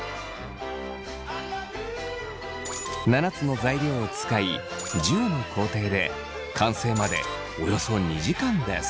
７つの材料を使い１０の工程で完成までおよそ２時間です。